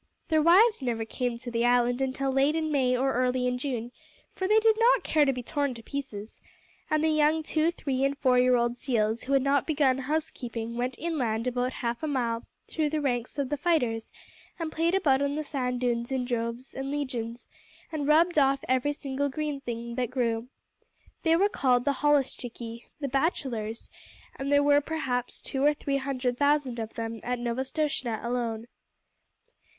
Their wives never came to the island until late in May or early in June, for they did not care to be torn to pieces; and the young two , three , and four year old seals who had not begun housekeeping went inland about half a mile through the ranks of the fighters and played about on the sand dunes in droves and legions, and rubbed off every single green thing that grew. They were called the holluschickie the bachelors and there were perhaps two or three hundred thousand of them at Novastoshnah alone.